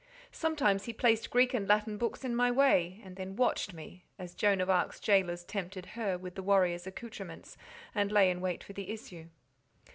Sometimes he placed Greek and Latin books in my way, and then watched me, as Joan of Arc's jailors tempted her with the warrior's accoutrements, and lay in wait for the issue.